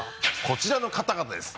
こちらの方々です！